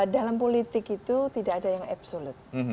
dalam politik itu tidak ada yang absolut